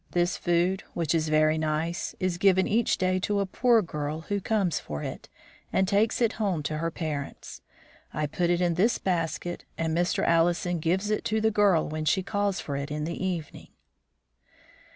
This food, which is very nice, is given each day to a poor girl who comes for it, and takes it home to her parents. I put it in this basket, and Mr. Allison gives it to the girl when she calls for it in the evening."